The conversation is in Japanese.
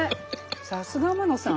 さすが天野さん。